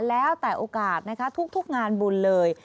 แล้วแต่โอกาสนะคะทุกงานบุญเลย